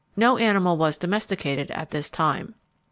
No animal was domesticated at this time.